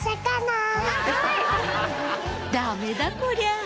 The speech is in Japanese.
ダメだこりゃ